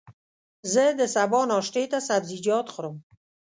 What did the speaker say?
زه د سبا ناشتې ته سبزيجات خورم.